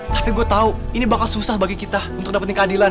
tapi gue tahu ini bakal susah bagi kita untuk dapetin keadilan